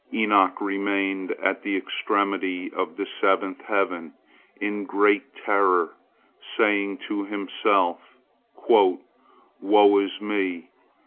Enoch remained at the extremity of the seventh heaven, in great terror, saying to himself, "Woe is me!